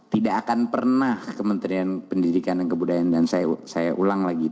tidak akan pernah kementerian pendidikan dan kebudayaan dan saya ulang lagi